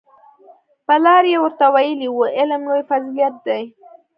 پلار یې ورته ویلي وو علم لوی فضیلت دی